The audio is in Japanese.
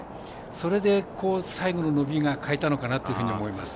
それで、最後の伸びが欠いたのかなと思います。